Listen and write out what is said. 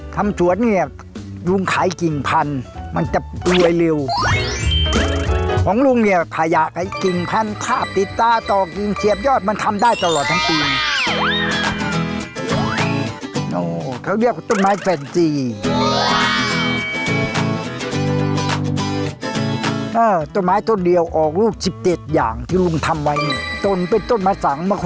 ทำสวดลุงขายกิ่งพัน